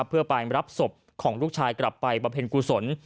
เพื่อไปรับศพของลูกชายกลับไปบำเพ็ญกุศล